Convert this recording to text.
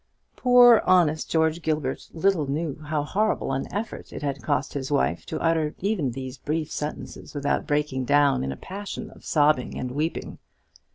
Poor honest George Gilbert little knew how horrible an effort it had cost his wife to utter even these brief sentences without breaking down in a passion of sobbing and weeping.